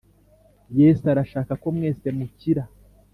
Yesu arashaka ko mwese mukira